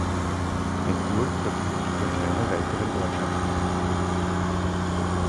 Hainburg verfügt über keine weiteren Ortschaften.